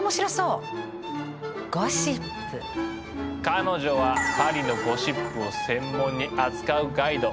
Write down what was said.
彼女はパリのゴシップを専門に扱うガイド。